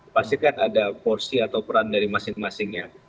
pastikan ada porsi atau peran dari masing masingnya